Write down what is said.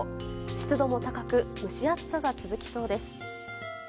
湿度も高く蒸し暑さが続きそうです。